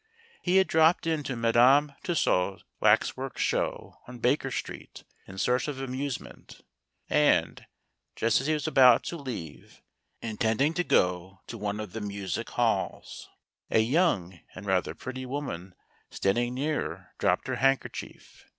He had dropped into Madame Tus saud's Waxwork Show on Baker Street in search of amusement, and, just as he was about to leave, in¬ tending to go to one of the music halls, a young and rather pretty woman standing near dropped her handkerchief.